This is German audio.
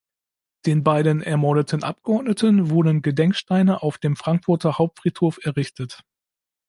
Den beiden ermordeten Abgeordneten wurden Gedenksteine auf dem Frankfurter Hauptfriedhof errichtet.